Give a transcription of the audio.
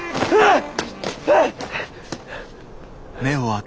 あっ。